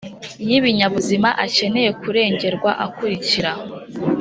y ibinyabuzima akeneye kurengerwa akurikira